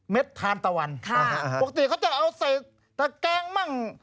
เม็ดทานตะวันค่ะปกติก็จะเอาใส่แต่แกงมั่ง